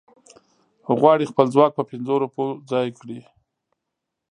غواړي خپل ځواک په پنځو روپو ځای کړي.